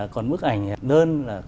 còn mức ảnh đơn là